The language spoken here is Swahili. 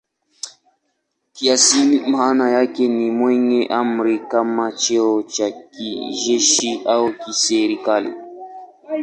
Kiasili maana yake ni "mwenye amri" kama cheo cha kijeshi au kiserikali.